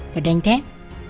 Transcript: và đánh thét